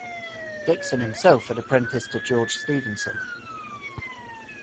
Dickson himself had apprenticed to George Stephenson.